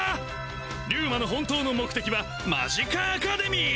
リュウマの本当の目的はマジカアカデミ！